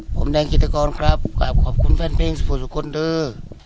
ผมแดงกิจกรครับขอบคุณแฟนเพลงสู่ทุกคนด้วย